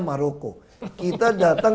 maroko kita datang